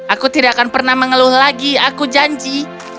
aku tidak akan pernah mengeluh lagi aku janji